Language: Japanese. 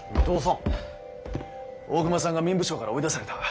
大隈さんが民部省から追い出された。